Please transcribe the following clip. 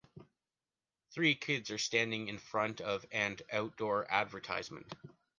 Three kids are standing in front of and outdoor advertisement.